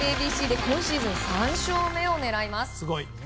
ＡＢＣで今シーズン３勝目を狙います。